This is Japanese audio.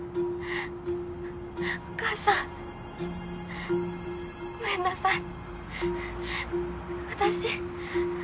お母さんごめんなさい私。